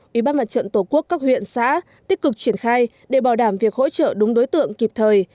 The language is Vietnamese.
ủy ban mặt trận tổ quốc các huyện xã tích cực triển khai để bảo đảm việc hỗ trợ đúng đối tượng kịp thời